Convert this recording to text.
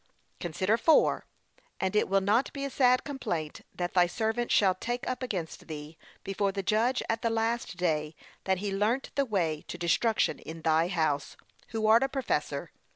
Consider 4. And will it not be a sad complaint that thy servant shall take up against thee, before the Judge at the last day, that he learnt the way to destruction in thy house, who art a professor.